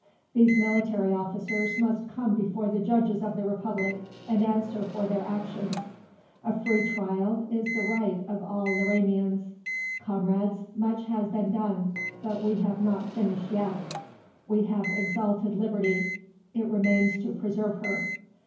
These military officers must come before the judges of the Republic and answer for their actions. A free trial is the right of all Lauranians. Comrades, much has been done, but we have not finished yet. We have exalted Liberty; it remains to preserve her.